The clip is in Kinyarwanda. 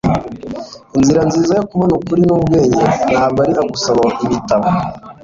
inzira nziza yo kubona ukuri n'ubwenge ntabwo ari ugusaba ibitabo